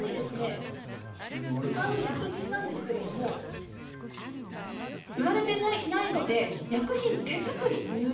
この使う薬品なんですけれど売られていないので手作りなんです。